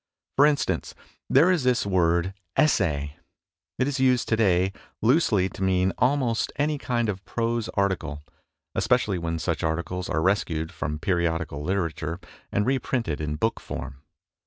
For instance, there is this word " essay." It is used to day loosely to mean almost any 10 MONOLOGUES kind of prose article, especially when such articles are rescued from periodical litera ture and reprinted in book form.